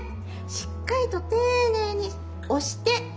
しっかりと丁寧に押して音を出す。